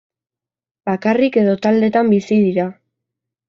Bakarrik edo taldetan bizi dira.